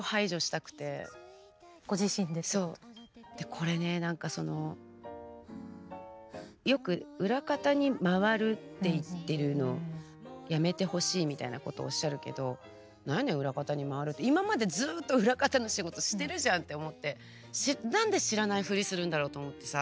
これね何かそのよく裏方にまわるって言ってるのやめてほしいみたいなことをおっしゃるけどなに裏方にまわるって今までずっと裏方の仕事してるじゃんって思って何で知らないフリするんだろうと思ってさ